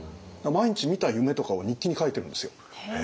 毎日見た夢とかを日記に書いているんですよ。